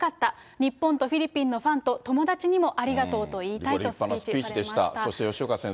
日本とフィリピンのファンと友達にもありがとうと言いたいとスピ立派なスピーチでした。